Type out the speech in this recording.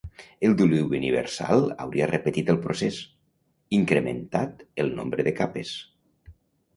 El diluvi universal hauria repetit el procés, incrementat el nombre de capes.